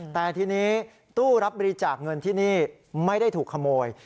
แต่ทีนี้ตู้รับบริจาคเงินที่นี่ไม่ได้ถูกขโมย